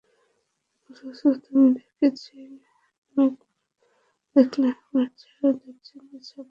অথচ আমি দেখছি, মেঘ দেখলে আপনার চেহারায় দুশ্চিন্তার ছাপ পড়ে যায়।